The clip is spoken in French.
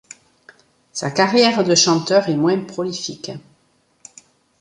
Sa carrière de chanteur est moins prolifique.